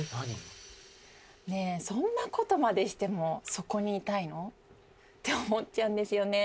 そんなことまでしてもそこにいたいの？って思っちゃうんですよね